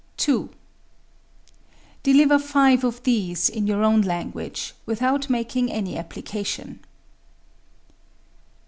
2. Deliver five of these in your own language, without making any application.